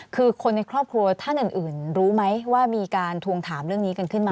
คือคนในครอบครัวท่านอื่นรู้ไหมว่ามีการทวงถามเรื่องนี้กันขึ้นมา